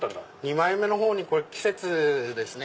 ２枚目の方に季節ですね。